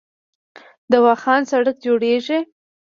د واخان سړک جوړیږي